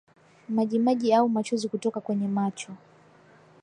Majimaji au machozi kutoka kwenye macho